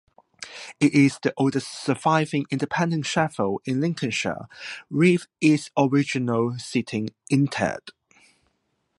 It is the oldest surviving independent chapel in Lincolnshire with its original seating intact.